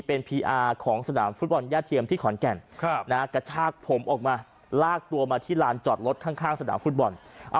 เป็นพีอาร์ของฟุตบอล